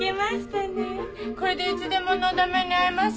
これでいつでものだめに会えますよ。